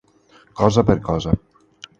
Cosa per cosa.